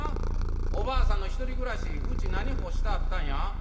おばあさんのひとり暮らしうち何干してあったんや？」。